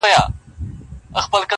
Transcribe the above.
انسانانو یو متل دی پیدا کړی؛